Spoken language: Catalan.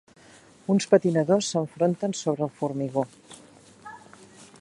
Uns patinadors s'enfronten sobre el formigó.